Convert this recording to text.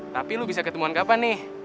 tapi lu bisa ketemuan kapan nih